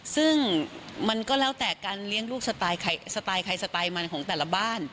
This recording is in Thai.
ซึ่งมันก็แล้วแต่การเลี้ยงลูกสไตล์ใครสไตล์มันของแต่ละบ้าน